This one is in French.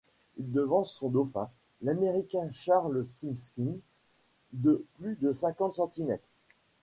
Il devance son dauphin, l'Américain Charles Simpkins de plus de cinquante centimètres.